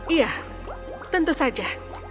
iya tentu saja